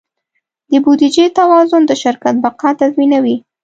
د بودیجې توازن د شرکت بقا تضمینوي.